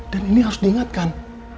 dan ini harus diingatkan